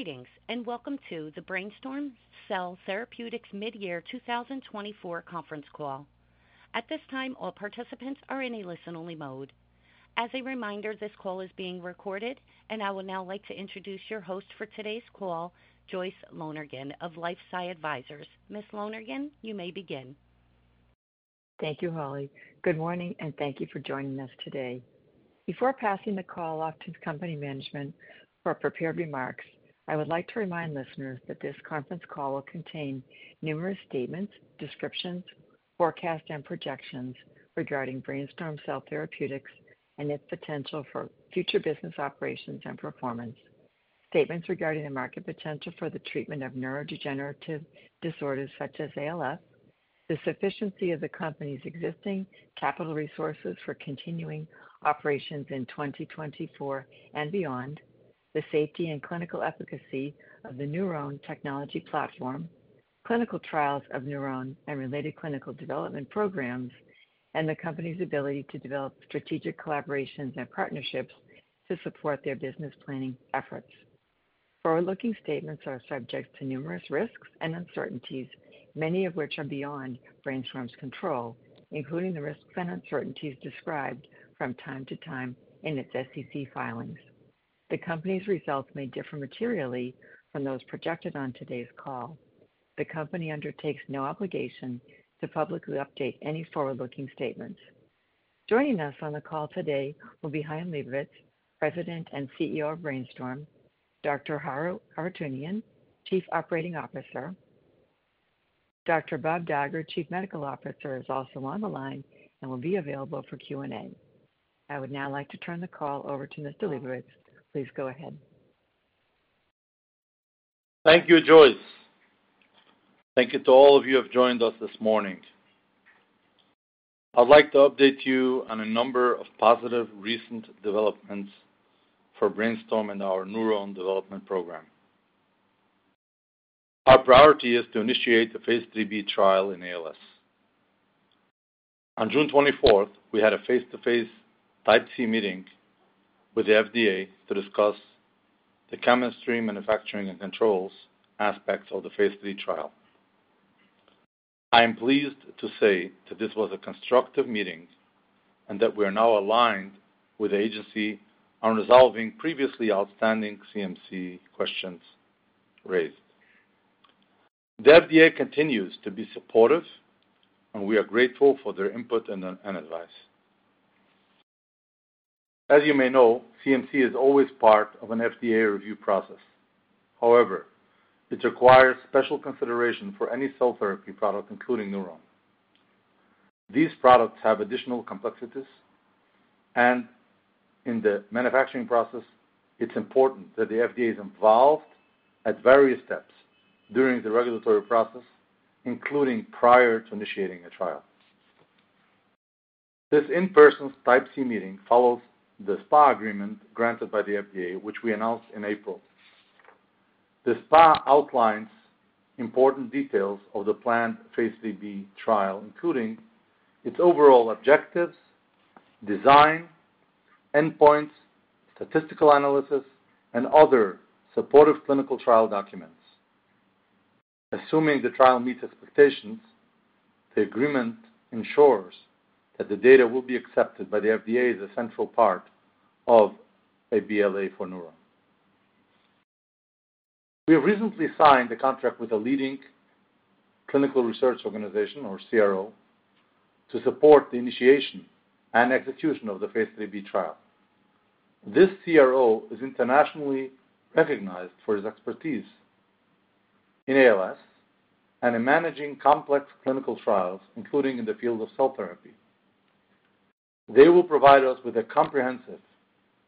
Greetings, and welcome to the BrainStorm Cell Therapeutics Mid-Year 2024 conference call. At this time, all participants are in a listen-only mode. As a reminder, this call is being recorded, and I would now like to introduce your host for today's call, Joyce Lonergan. Ms. Lonergan, you may begin. Thank you, Holly. Good morning, and thank you for joining us today. Before passing the call off to the company management for prepared remarks, I would like to remind listeners that this conference call will contain numerous statements, descriptions, forecasts, and projections regarding BrainStorm Cell Therapeutics and its potential for future business operations and performance. Statements regarding the market potential for the treatment of neurodegenerative disorders such as ALS, the sufficiency of the company's existing capital resources for continuing operations in 2024 and beyond, the safety and clinical efficacy of the NurOwn technology platform, clinical trials of NurOwn and related clinical development programs, and the company's ability to develop strategic collaborations and partnerships to support their business planning efforts. Forward-looking statements are subject to numerous risks and uncertainties, many of which are beyond BrainStorm's control, including the risks and uncertainties described from time to time in its SEC filings. The company's results may differ materially from those projected on today's call. The company undertakes no obligation to publicly update any forward-looking statements. Joining us on the call today will be Chaim Lebovits, President and CEO of BrainStorm, Dr. Haro Hartounian, Chief Operating Officer. Dr. Bob Dagher, Chief Medical Officer, is also on the line and will be available for Q&A. I would now like to turn the call over to Mr. Lebovits. Please go ahead. Thank you, Joyce. Thank you to all of you who have joined us this morning. I'd like to update you on a number of positive recent developments for BrainStorm and our NurOwn development program. Our priority is to initiate the phase III-B trial in ALS. On June 24th, we had a face-to-face Type C meeting with the FDA to discuss the chemistry, manufacturing, and controls aspects of the phase III trial. I am pleased to say that this was a constructive meeting and that we are now aligned with the agency on resolving previously outstanding CMC questions raised. The FDA continues to be supportive, and we are grateful for their input and advice. As you may know, CMC is always part of an FDA review process. However, it requires special consideration for any cell therapy product, including NurOwn. These products have additional complexities, and in the manufacturing process, it's important that the FDA is involved at various steps during the regulatory process, including prior to initiating a trial. This in-person Type C meeting follows the SPA agreement granted by the FDA, which we announced in April. The SPA outlines important details of the planned phase III-B trial, including its overall objectives, design, endpoints, statistical analysis, and other supportive clinical trial documents. Assuming the trial meets expectations, the agreement ensures that the data will be accepted by the FDA as a central part of a BLA for NurOwn. We have recently signed a contract with a leading clinical research organization, or CRO, to support the initiation and execution of the phase III-B trial. This CRO is internationally recognized for its expertise in ALS and in managing complex clinical trials, including in the field of cell therapy. They will provide us with a comprehensive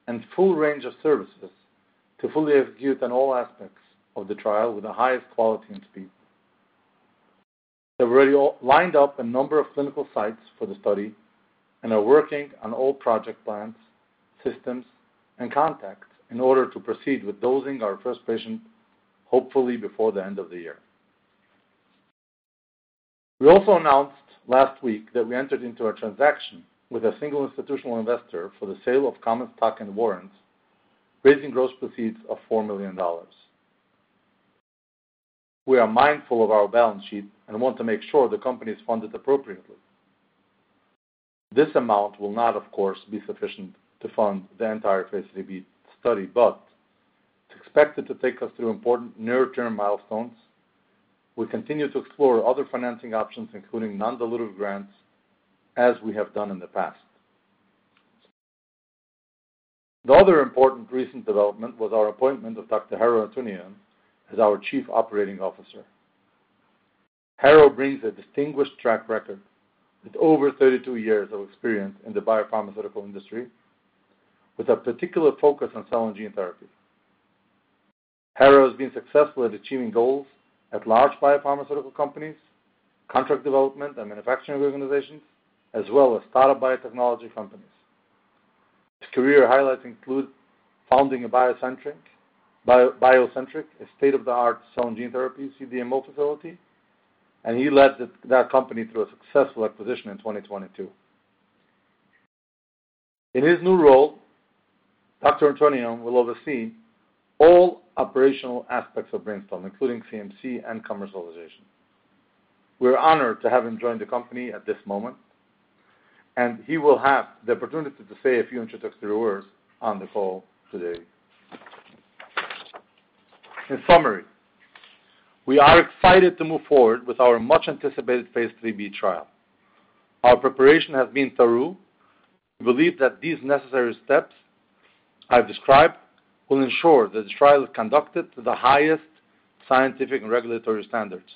and full range of services to fully execute on all aspects of the trial with the highest quality and speed. They've already lined up a number of clinical sites for the study and are working on all project plans, systems, and contacts in order to proceed with dosing our first patient, hopefully before the end of the year. We also announced last week that we entered into a transaction with a single institutional investor for the sale of common stock and warrants, raising gross proceeds of $4 million. We are mindful of our balance sheet and want to make sure the company is funded appropriately. This amount will not, of course, be sufficient to fund the entire phase III-B study, but it's expected to take us through important near-term milestones. We continue to explore other financing options, including non-dilutive grants, as we have done in the past. The other important recent development was our appointment of Dr. Haro Hartounian as our Chief Operating Officer. Haro brings a distinguished track record with over 32 years of experience in the biopharmaceutical industry, with a particular focus on cell and gene therapy. Haro has been successful at achieving goals at large biopharmaceutical companies, contract development and manufacturing organizations, as well as startup biotechnology companies. His career highlights include founding BioCentriq, a state-of-the-art cell and gene therapy CDMO facility, and he led that company through a successful acquisition in 2022. In his new role, Dr. Haro Hartounian will oversee all operational aspects of BrainStorm, including CMC and commercialization. We're honored to have him join the company at this moment, and he will have the opportunity to say a few introductory words on the call today. In summary, we are excited to move forward with our much-anticipated phase III-B trial. Our preparation has been thorough. We believe that these necessary steps I've described will ensure that the trial is conducted to the highest scientific and regulatory standards.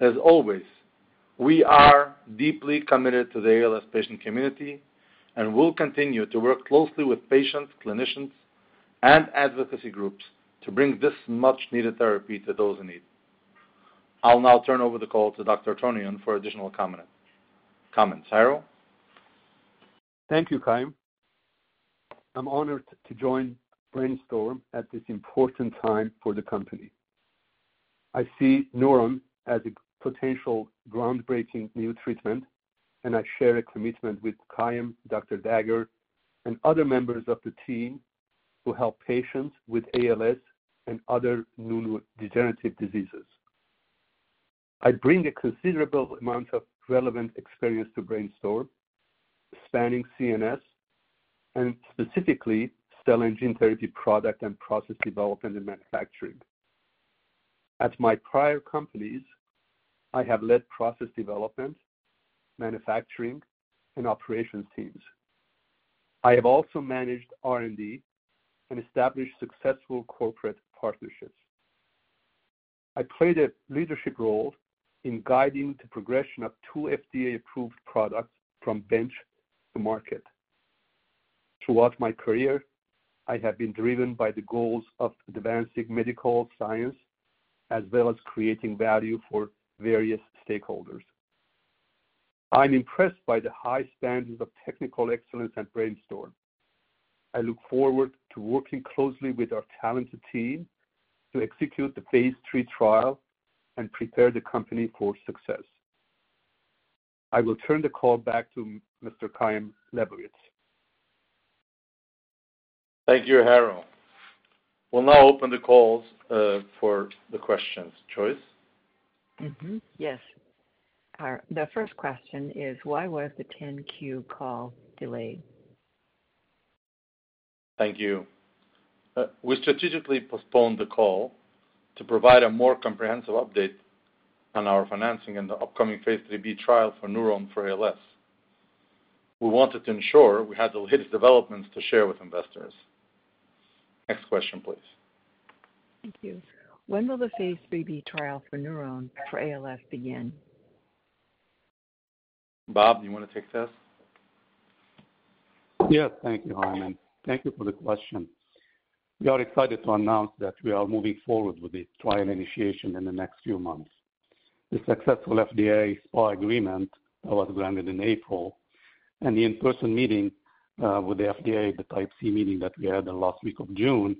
As always, we are deeply committed to the ALS patient community, and we'll continue to work closely with patients, clinicians, and advocacy groups to bring this much-needed therapy to those in need. I'll now turn over the call to Dr. Hartounian for additional comments. Haro? Thank you, Chaim. I'm honored to join BrainStorm at this important time for the company. I see NurOwn as a potential groundbreaking new treatment, and I share a commitment with Chaim, Dr. Dagher, and other members of the team to help patients with ALS and other neurodegenerative diseases. I bring a considerable amount of relevant experience to BrainStorm, spanning CNS and specifically cell engineering therapy product and process development and manufacturing. At my prior companies, I have led process development, manufacturing, and operations teams. I have also managed R&D and established successful corporate partnerships. I played a leadership role in guiding the progression of two FDA-approved products from bench to market. Throughout my career, I have been driven by the goals of advancing medical science, as well as creating value for various stakeholders. I'm impressed by the high standards of technical excellence at BrainStorm. I look forward to working closely with our talented team to execute the phase III trial and prepare the company for success. I will turn the call back to Mr. Chaim Lebovits. Thank you, Haro. We'll now open the calls for the questions. Joyce? Mm-hmm. Yes. The first question is: why was the 10-Q call delayed? Thank you. We strategically postponed the call to provide a more comprehensive update on our financing and the upcoming phase III-B trial for NurOwn for ALS. We wanted to ensure we had the latest developments to share with investors. Next question, please. Thank you. When will the phase III-B trial for NurOwn for ALS begin? Bob, do you want to take this? Yes, thank you, Chaim, and thank you for the question. We are excited to announce that we are moving forward with the trial initiation in the next few months. The successful FDA SPA agreement that was granted in April and the in-person meeting with the FDA, the Type C meeting that we had in the last week of June,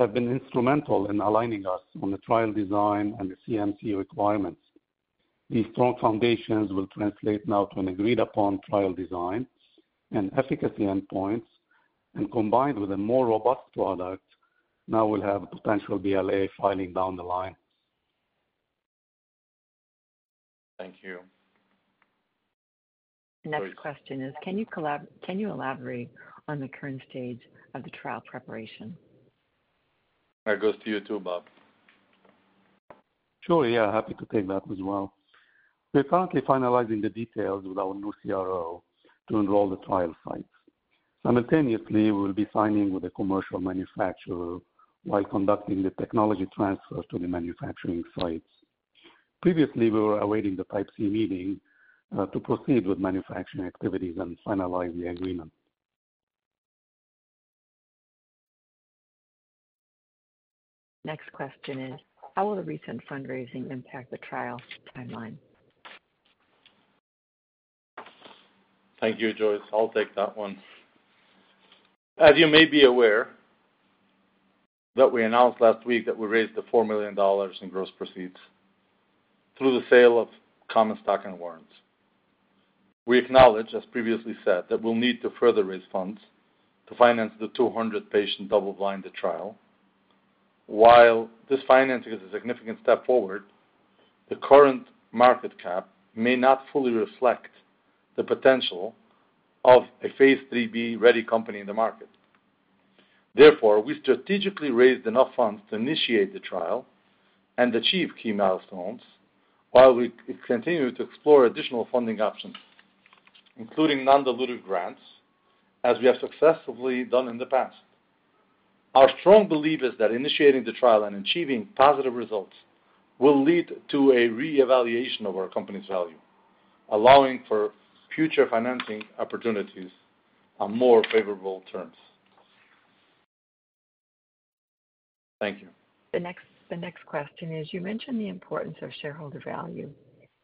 have been instrumental in aligning us on the trial design and the CMC requirements. These strong foundations will translate now to an agreed-upon trial design and efficacy endpoints, and combined with a more robust product, now we'll have a potential BLA filing down the line. Thank you. The next question is: can you elaborate on the current stage of the trial preparation? That goes to you, too, Bob. Sure, yeah, happy to take that as well. We're currently finalizing the details with our new CRO to enroll the trial sites. Simultaneously, we'll be signing with a commercial manufacturer while conducting the technology transfers to the manufacturing sites. Previously, we were awaiting the Type C Meeting to proceed with manufacturing activities and finalize the agreement. Next question is: how will the recent fundraising impact the trial timeline? Thank you, Joyce. I'll take that one. As you may be aware, that we announced last week that we raised $4 million in gross proceeds through the sale of common stock and warrants. We acknowledge, as previously said, that we'll need to further raise funds to finance the 200-patient double-blinded trial. While this financing is a significant step forward, the current market cap may not fully reflect the potential of a phase III-B ready company in the market. Therefore, we strategically raised enough funds to initiate the trial and achieve key milestones while we continue to explore additional funding options, including non-dilutive grants, as we have successfully done in the past. Our strong belief is that initiating the trial and achieving positive results will lead to a reevaluation of our company's value, allowing for future financing opportunities on more favorable terms. Thank you. The next question is: You mentioned the importance of shareholder value.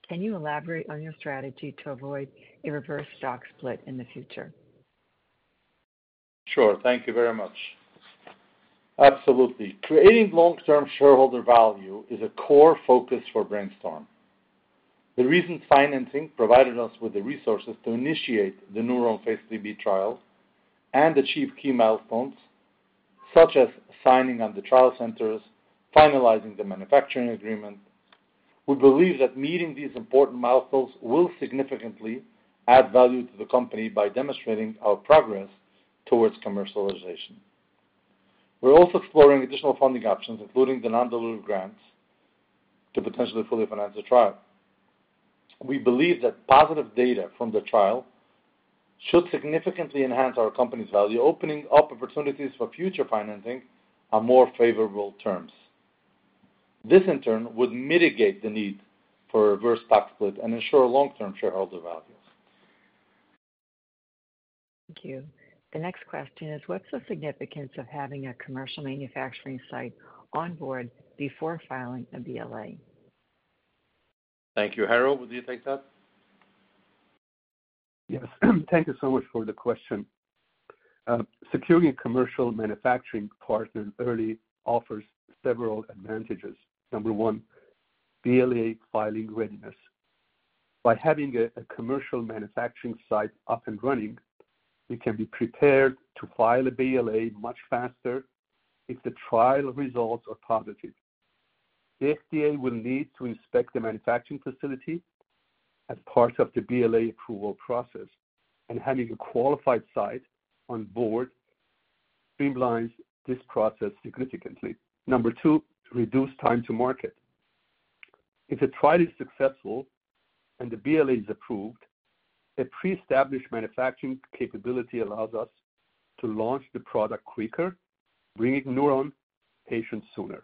Can you elaborate on your strategy to avoid a reverse stock split in the future? Sure. Thank you very much. Absolutely. Creating long-term shareholder value is a core focus for BrainStorm. The recent financing provided us with the resources to initiate the NurOwn phase III-B trial and achieve key milestones, such as signing on the trial centers, finalizing the manufacturing agreement. We believe that meeting these important milestones will significantly add value to the company by demonstrating our progress towards commercialization. We're also exploring additional funding options, including the non-dilutive grants, to potentially fully finance the trial. We believe that positive data from the trial should significantly enhance our company's value, opening up opportunities for future financing on more favorable terms. This, in turn, would mitigate the need for a reverse stock split and ensure long-term shareholder value. Thank you. The next question is: What's the significance of having a commercial manufacturing site on board before filing a BLA? Thank you. Haro, would you take that? Yes. Thank you so much for the question. Securing a commercial manufacturing partner early offers several advantages. Number one, BLA filing readiness. By having a commercial manufacturing site up and running, we can be prepared to file a BLA much faster if the trial results are positive. The FDA will need to inspect the manufacturing facility as part of the BLA approval process, and having a qualified site on board streamlines this process significantly. Number two, reduced time to market. If the trial is successful and the BLA is approved, a pre-established manufacturing capability allows us to launch the product quicker, bringing NurOwn patients sooner.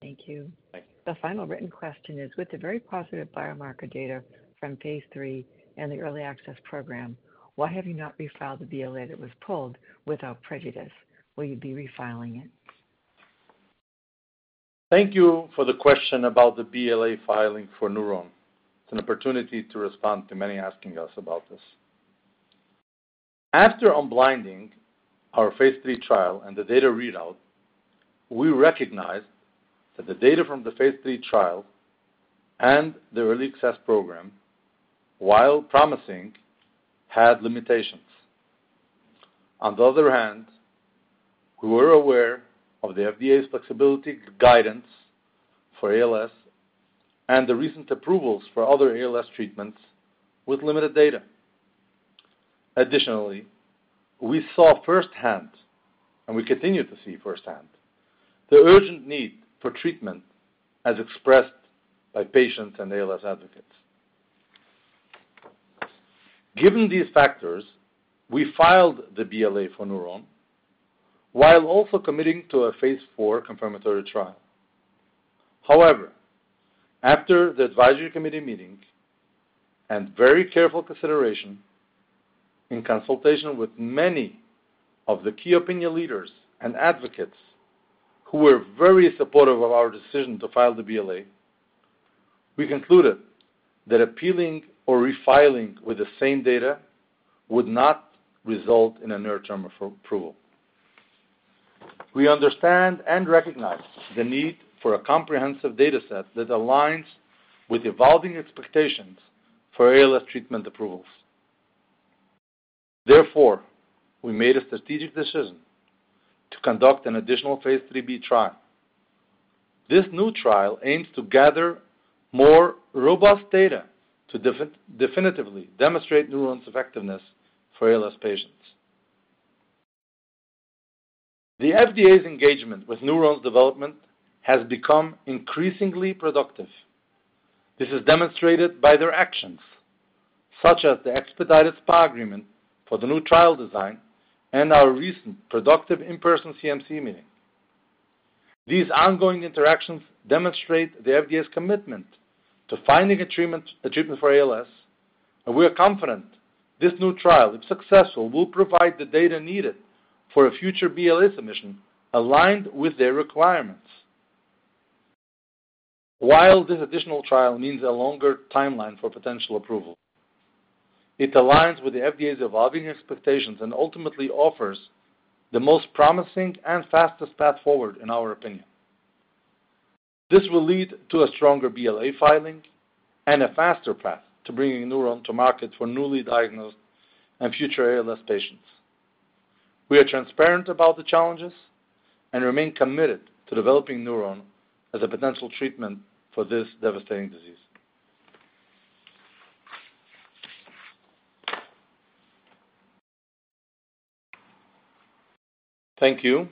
Thank you. Thank you. The final written question is: With the very positive biomarker data from phase III and the Early Access Program, why have you not refiled the BLA that was pulled without prejudice? Will you be refiling it? Thank you for the question about the BLA filing for NurOwn. It's an opportunity to respond to many asking us about this. After unblinding our phase III trial and the data readout, we recognized that the data from the phase III trial and the Early Access Program, while promising, had limitations. On the other hand, we were aware of the FDA's flexibility guidance for ALS and the recent approvals for other ALS treatments with limited data. Additionally, we saw firsthand, and we continue to see firsthand, the urgent need for treatment as expressed by patients and ALS advocates. Given these factors, we filed the BLA for NurOwn while also committing to a phase IV confirmatory trial. However, after the advisory committee meeting and very careful consideration, in consultation with many of the key opinion leaders and advocates who were very supportive of our decision to file the BLA, we concluded that appealing or refiling with the same data would not result in a near-term approval. We understand and recognize the need for a comprehensive data set that aligns with evolving expectations for ALS treatment approvals. Therefore, we made a strategic decision to conduct an additional Phase III-B trial. This new trial aims to gather more robust data to definitively demonstrate NurOwn's effectiveness for ALS patients. The FDA's engagement with NurOwn's development has become increasingly productive. This is demonstrated by their actions, such as the expedited SPA agreement for the new trial design and our recent productive in-person CMC meeting. These ongoing interactions demonstrate the FDA's commitment to finding a treatment, a treatment for ALS, and we are confident this new trial, if successful, will provide the data needed for a future BLA submission aligned with their requirements. While this additional trial means a longer timeline for potential approval, it aligns with the FDA's evolving expectations and ultimately offers the most promising and fastest path forward, in our opinion. This will lead to a stronger BLA filing and a faster path to bringing NurOwn to market for newly diagnosed and future ALS patients. We are transparent about the challenges and remain committed to developing NurOwn as a potential treatment for this devastating disease. Thank you.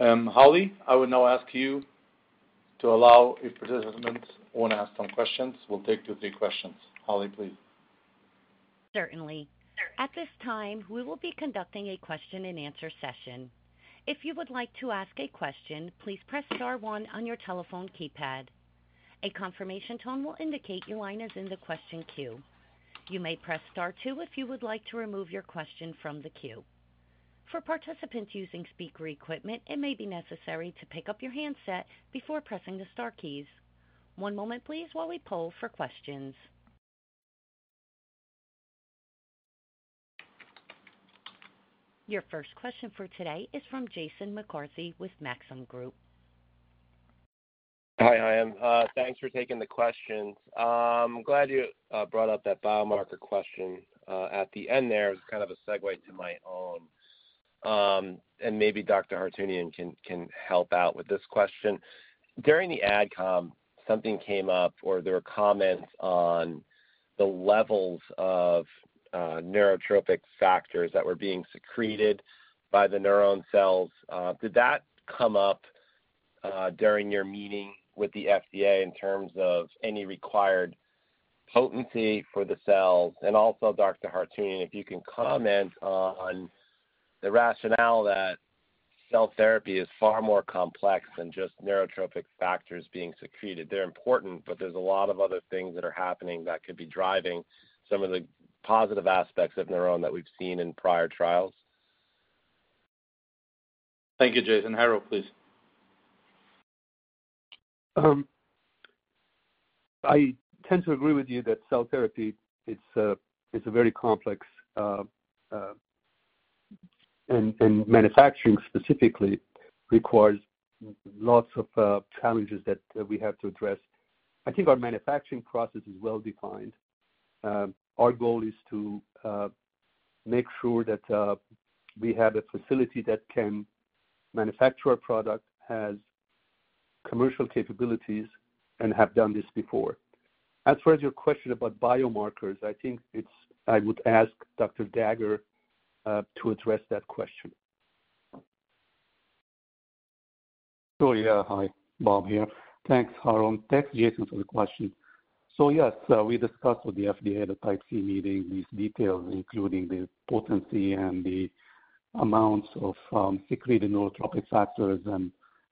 Holly, I would now ask you to allow if participants want to ask some questions. We'll take two, three questions. Holly, please. Certainly. At this time, we will be conducting a question-and-answer session. If you would like to ask a question, please press star one on your telephone keypad. A confirmation tone will indicate your line is in the question queue. You may press star two if you would like to remove your question from the queue. For participants using speaker equipment, it may be necessary to pick up your handset before pressing the star keys. One moment please, while we poll for questions. Your first question for today is from Jason McCarthy with Maxim Group. Hi, Chaim. Thanks for taking the questions. Glad you brought up that biomarker question at the end there. It's kind of a segue to my own. And maybe Dr. Hartounian can help out with this question. During the AdCom, something came up, or there were comments on the levels of neurotrophic factors that were being secreted by the NurOwn cells. Did that come up during your meeting with the FDA in terms of any required potency for the cells? And also, Dr. Hartounian, if you can comment on the rationale that cell therapy is far more complex than just neurotrophic factors being secreted. They're important, but there's a lot of other things that are happening that could be driving some of the positive aspects of NurOwn that we've seen in prior trials. Thank you, Jason. Haro, please. I tend to agree with you that cell therapy, it's a very complex, and manufacturing specifically requires lots of challenges that we have to address. I think our manufacturing process is well-defined. Our goal is to make sure that we have a facility that can manufacture our product, has commercial capabilities, and have done this before. As far as your question about biomarkers, I think it's. I would ask Dr. Dagher to address that question. Sure. Yeah. Hi, Bob here. Thanks, Haro. Thanks, Jason, for the question. So yes, we discussed with the FDA, the Type C meeting, these details, including the potency and the amounts of secreted neurotrophic factors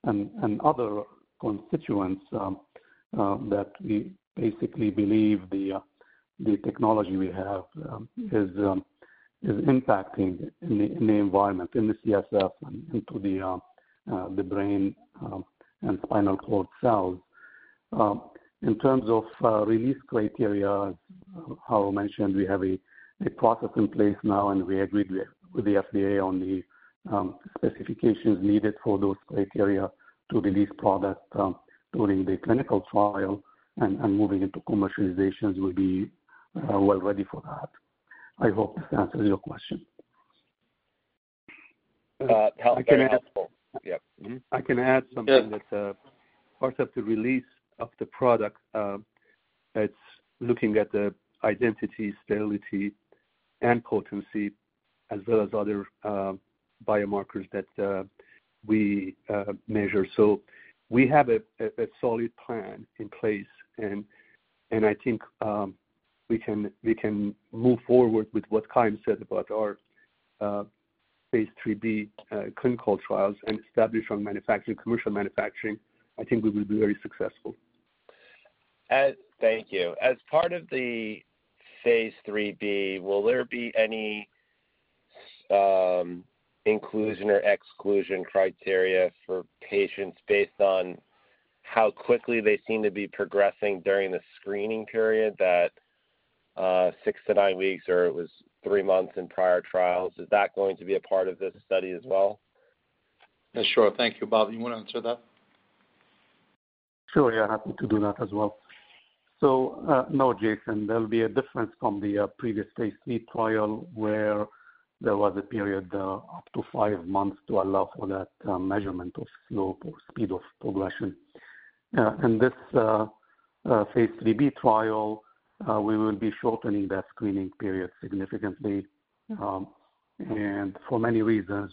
and other constituents that we basically believe the technology we have is impacting in the environment, in the CSF and into the brain and spinal cord cells. In terms of release criteria, as Haro mentioned, we have a process in place now, and we agreed with the FDA on the specifications needed for those criteria to release product during the clinical trial and moving into commercialization, we'll be well ready for that. I hope this answers your question. That was very helpful. I can add- Yeah. I can add something that pertains to the release of the product. It's looking at the identity, sterility, and potency, as well as other biomarkers that we measure. So we have a solid plan in place, and I think we can move forward with what Chaim said about our phase III-B clinical trials and establish our manufacturing, commercial manufacturing. I think we will be very successful. Thank you. As part of the Phase III-B, will there be any inclusion or exclusion criteria for patients based on how quickly they seem to be progressing during the screening period, that six to nine weeks, or it was three months in prior trials? Is that going to be a part of this study as well? Sure. Thank you. Bob, you want to answer that? Sure, yeah, happy to do that as well. So, no, Jason, there'll be a difference from the previous phase III trial, where there was a period up to five months to allow for that measurement of slope or speed of progression. In this phase III-B trial, we will be shortening that screening period significantly, and for many reasons,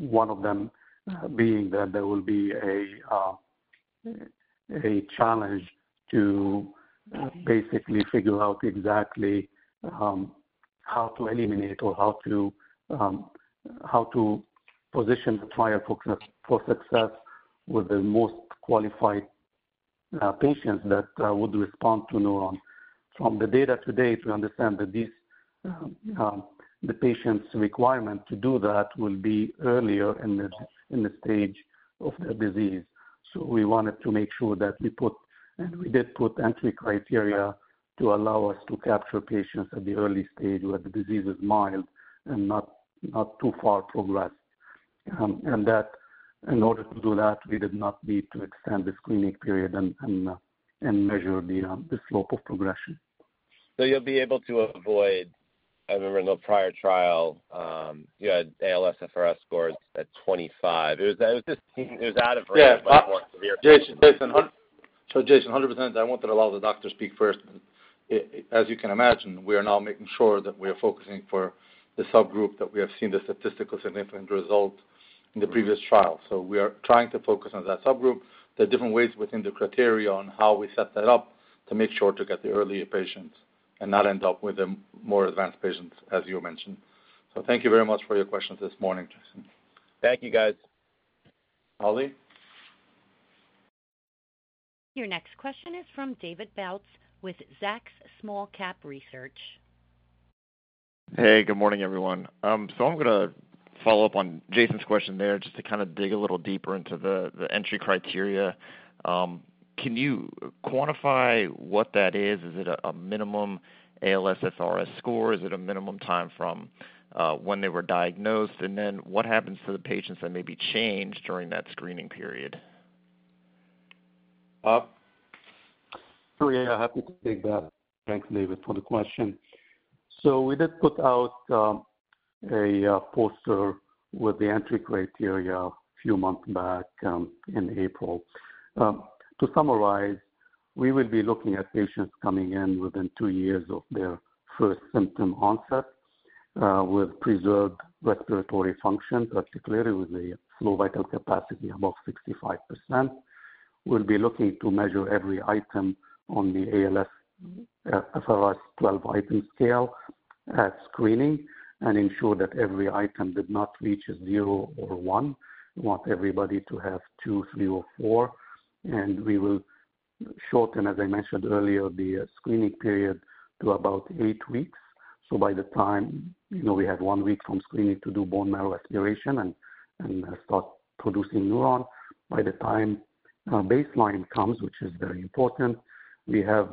one of them being that there will be a challenge to basically figure out exactly how to eliminate or how to position the trial for success with the most qualified patients that would respond to NurOwn. From the data to date, we understand that these the patient's requirement to do that will be earlier in the stage of the disease. So we wanted to make sure that we put, and we did put entry criteria to allow us to capture patients at the early stage, where the disease is mild and not too far progressed. And that in order to do that, we did not need to extend the screening period and measure the slope of progression. So you'll be able to avoid... I remember in the prior trial, you had ALSFRS scores at 25. It was, it was just, it was out of range- Yeah. but more severe. Jason, Jason, so Jason, 100%. I wanted to allow the doctor to speak first. As you can imagine, we are now making sure that we are focusing for the subgroup, that we have seen the statistically significant result in the previous trial. So we are trying to focus on that subgroup. There are different ways within the criteria on how we set that up to make sure to get the earlier patients and not end up with the more advanced patients, as you mentioned. So thank you very much for your questions this morning, Jason. Thank you, guys. Holly? Your next question is from David Bautz with Zacks Small Cap Research. Hey, good morning, everyone. So I'm gonna follow up on Jason's question there, just to kind of dig a little deeper into the entry criteria. Can you quantify what that is? Is it a minimum ALSFRS score? Is it a minimum time from when they were diagnosed? And then what happens to the patients that may be changed during that screening period? Sure, yeah, happy to take that. Thanks, David, for the question. So we did put out a poster with the entry criteria a few months back in April. To summarize, we will be looking at patients coming in within two years of their first symptom onset with preserved respiratory function, particularly with a slow vital capacity above 65%. We'll be looking to measure every item on the ALSFRS 12-item scale at screening and ensure that every item did not reach a zero or one. We want everybody to have two, three, or four, and we will shorten, as I mentioned earlier, the screening period to about eight weeks. So by the time, you know, we had one week from screening to do bone marrow aspiration and start producing NurOwn. By the time baseline comes, which is very important, we have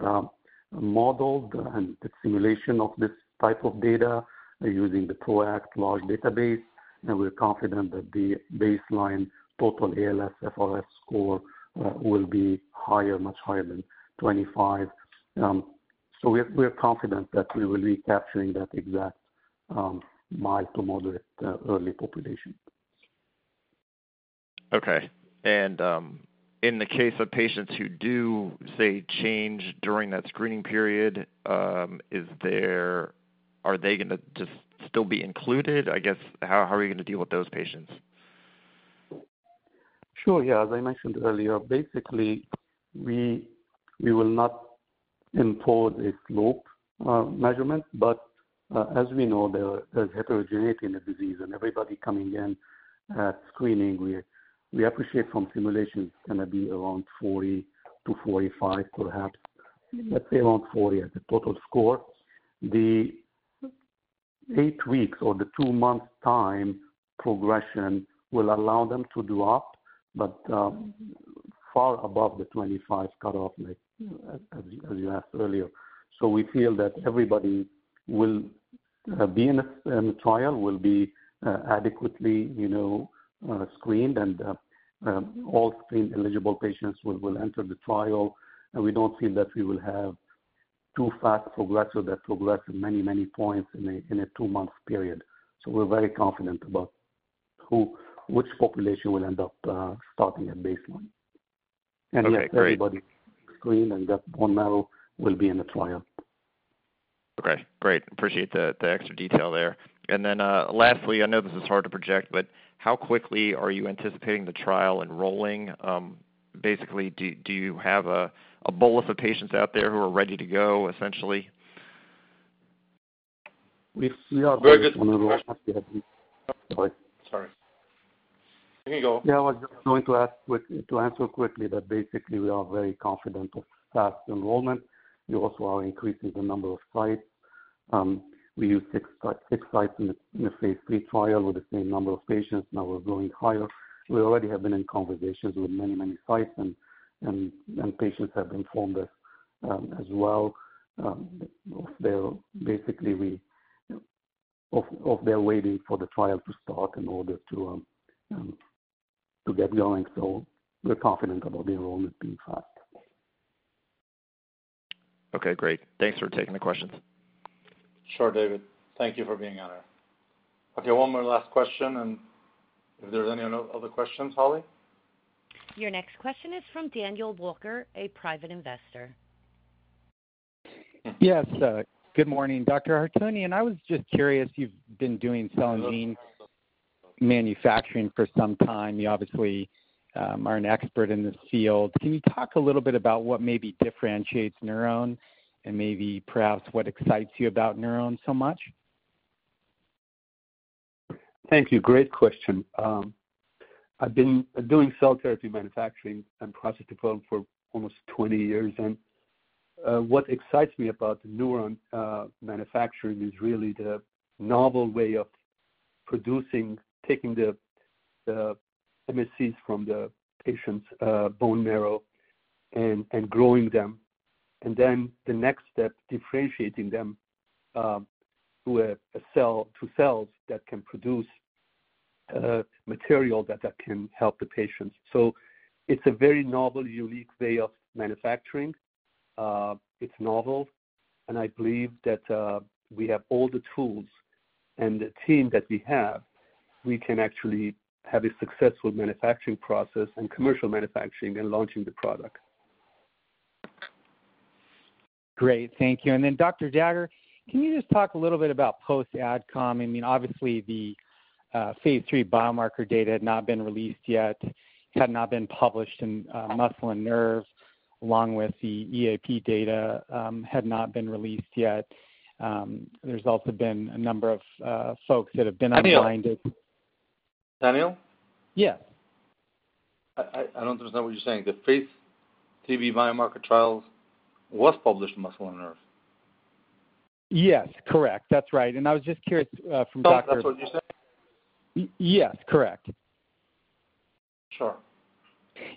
modeled and the simulation of this type of data using the PRO-ACT large database, and we're confident that the baseline total ALSFRS score will be higher, much higher than 25. So we're confident that we will be capturing that exact mild to moderate early population. Okay. And, in the case of patients who do, say, change during that screening period, are they gonna just still be included? I guess, how are you going to deal with those patients? Sure, yeah. As I mentioned earlier, basically, we will not impute a slope measurement, but as we know, there's heterogeneity in the disease and everybody coming in at screening, we appreciate from simulation, it's gonna be around 40-45, perhaps. Let's say around 40 as a total score. The eight weeks or the 2-month time progression will allow them to drop, but far above the 25 cutoff, like, as you asked earlier. So we feel that everybody will be in a, in the trial, will be adequately, you know, screened, and all screened eligible patients will enter the trial, and we don't feel that we will have too fast progressor that progress many, many points in a 2-month period. So we're very confident about which population will end up starting at baseline. Okay, great. Yes, everybody screened, and that bone marrow will be in the trial. Okay, great. Appreciate the extra detail there. And then, lastly, I know this is hard to project, but how quickly are you anticipating the trial enrolling? Basically, do you have a pool of the patients out there who are ready to go, essentially? We are very good- Very good- Sorry. Sorry. You go. Yeah, I was just going to ask quickly to answer quickly, that basically, we are very confident of fast enrollment. We also are increasing the number of sites. We use six sites in the phase III trial with the same number of patients. Now we're going higher. We already have been in conversations with many, many sites and patients have informed us, as well. They'll basically we of, of they're waiting for the trial to start in order to to get going. So we're confident about the enrollment being fast. Okay, great. Thanks for taking the questions. Sure, David. Thank you for being on it. Okay, one more last question, and if there are any other questions, Holly? Your next question is from Daniel Walker, a private investor. Yes, good morning, Dr. Hartounian, and I was just curious, you've been doing cell and gene manufacturing for some time. You obviously are an expert in the field. Can you talk a little bit about what maybe differentiates NurOwn, and maybe perhaps what excites you about NurOwn so much? Thank you. Great question. I've been doing cell therapy, manufacturing and process development for almost 20 years, and what excites me about the NurOwn manufacturing is really the novel way of producing, taking the, the MSCs from the patient's bone marrow and growing them. And then the next step, differentiating them to a cell, to cells that can produce material that can help the patients. So it's a very novel, unique way of manufacturing. It's novel, and I believe that we have all the tools and the team that we have, we can actually have a successful manufacturing process and commercial manufacturing and launching the product. Great. Thank you. And then, Dr. Dagher, can you just talk a little bit about post AdCom? I mean, obviously the phase 3 biomarker data had not been released yet, had not been published in Muscle & Nerve, along with the EAP data, had not been released yet. There's also been a number of folks that have been unblinded. Daniel? Daniel? Yeah.... I don't understand what you're saying. The Phase III-B biomarker trials was published in Muscle & Nerve. Yes, correct. That's right, and I was just curious, from Dr.- Oh, that's what you said? Yes, correct. Sure.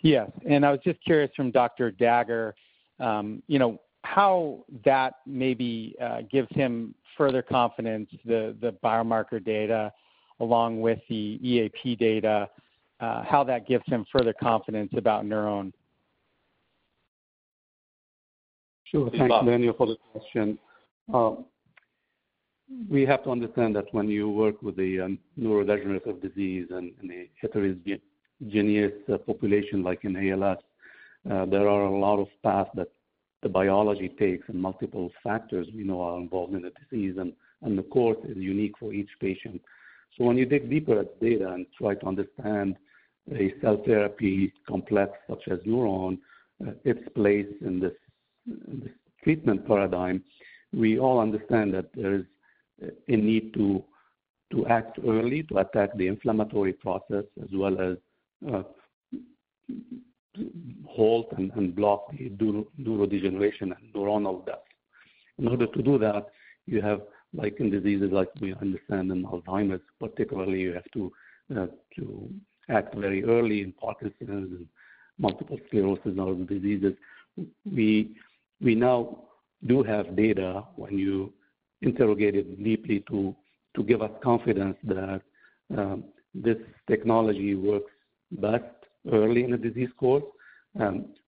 Yes, and I was just curious from Dr. Dagher, you know, how that maybe gives him further confidence, the biomarker data, along with the EAP data, how that gives him further confidence about NurOwn? Sure. Thank you, Daniel, for the question. We have to understand that when you work with the neurodegenerative disease and the heterogeneous population, like in ALS, there are a lot of paths that the biology takes, and multiple factors, we know are involved in the disease and the course is unique for each patient. So when you dig deeper at data and try to understand a cell therapy complex, such as NurOwn, its place in this treatment paradigm, we all understand that there is a need to act early to attack the inflammatory process, as well as halt and block the neurodegeneration and neuronal death. In order to do that, you have, like in diseases, like we understand in Alzheimer's, particularly, you have to act very early in Parkinson's and multiple sclerosis, and other diseases. We now do have data when you interrogate it deeply to give us confidence that this technology works best early in the disease course,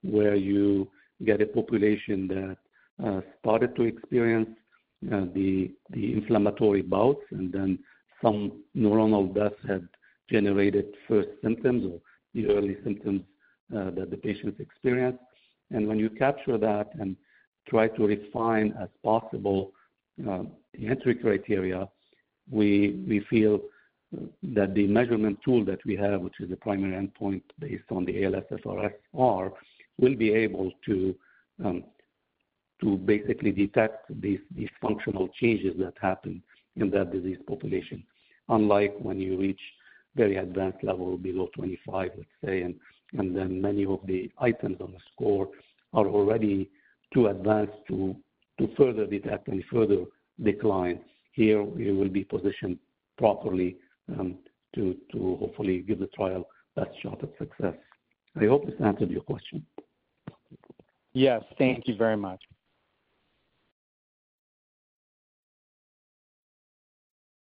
where you get a population that started to experience the inflammatory bouts and then some neuronal death had generated first symptoms or the early symptoms that the patients experience. And when you capture that and try to refine as possible the entry criteria, we feel that the measurement tool that we have, which is the primary endpoint based on the ALSFRS-R, will be able to basically detect these dysfunctional changes that happen in that disease population. Unlike when you reach very advanced level below 25, let's say, and then many of the items on the score are already too advanced to further detect any further declines. Here, we will be positioned properly, to hopefully give the trial best shot at success. I hope this answered your question. Yes, thank you very much.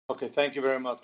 Okay, thank you very much.